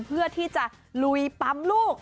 เพื่อที่จะลุยปั๊มลูก